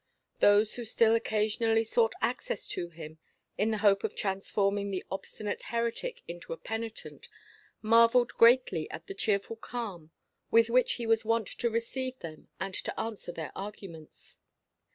Those who still occasionally sought access to him, in the hope of transforming the obstinate heretic into a penitent, marvelled greatly at the cheerful calm with which he was wont to receive them and to answer their arguments.